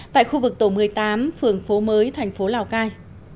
tại khu vực tổ một mươi tám phường phố mới thành phố lào cai